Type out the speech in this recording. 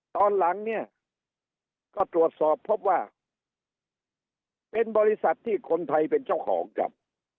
ตอนหลังเนี่ยก็ตรวจสอบพบว่าเป็นบริษัทที่คนไทยเป็นเจ้าของครับ